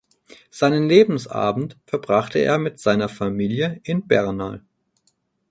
Seinen Lebensabend verbrachte er mit seiner Familie in Bernal.